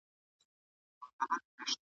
له پسونو تر هوسیو تر غوایانو .